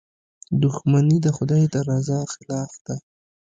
• دښمني د خدای د رضا خلاف ده.